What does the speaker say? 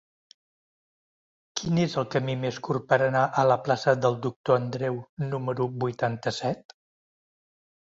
Quin és el camí més curt per anar a la plaça del Doctor Andreu número vuitanta-set?